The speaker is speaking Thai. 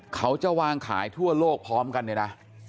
เขาจะวางขายทั่วโลกพร้อมกันเนี่ยนะ